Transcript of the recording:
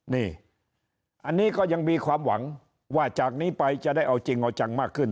นี่อันนี้ก็ยังมีความหวังว่าจากนี้ไปจะได้เอาจริงเอาจังมากขึ้น